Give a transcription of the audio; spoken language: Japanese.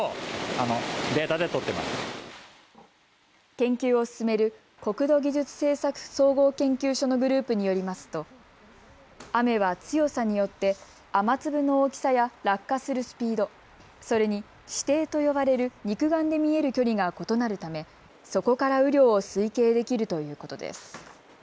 研究を進める国土技術政策総合研究所のグループによりますと雨は強さによって雨粒の大きさや落下するスピード、それに視程と呼ばれる肉眼で見える距離が異なるためそこから雨量を推計できるということです。